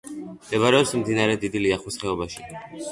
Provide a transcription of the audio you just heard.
მდებარეობს მდინარე დიდი ლიახვის ხეობაში.